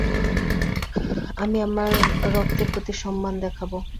আমি আমার রক্তের প্রতি সম্মান দেখাবো।